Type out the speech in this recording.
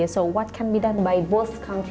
jadi apa yang bisa dilakukan oleh kedua negara